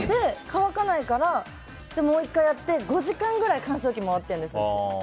乾かないからもう１回やって５時間くらい乾燥機が回ってるんです。